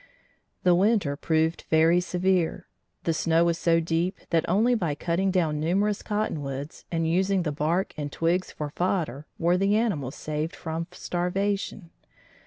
The winter proved very severe. The snow was so deep that only by cutting down numerous cottonwoods and using the bark and twigs for fodder were the animals saved from starvation.